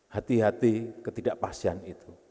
hati hati ketidakpastian itu